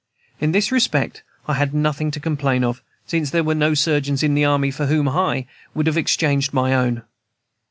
In this respect I had nothing to complain of, since there were no surgeons in the army for whom I would have exchanged my own.